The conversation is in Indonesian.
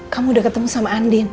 kamu udah ketemu sama andin